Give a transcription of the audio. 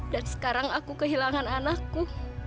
dan sekarang aku kehilangan anakku